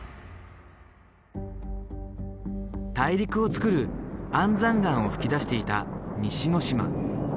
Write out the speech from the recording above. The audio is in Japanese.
大陸をつくる安山岩を噴き出していた西之島。